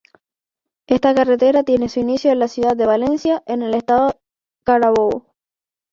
Esta carretera tiene su inicio en la ciudad de Valencia en el Estado Carabobo.